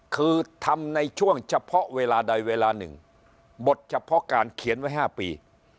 คือทำในช่วงเฉพาะเวลาใดเวลาหนึ่งบทเฉพาะการเขียนไว้๕ปี